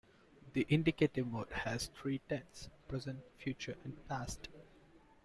The indicative mood has three tenses: present, future and past.